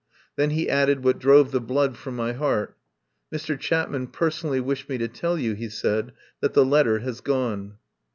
Then he added what drove the blood from my heart. "Mr. Chapman personally wished me to tell you," he said, "that the letter has gone."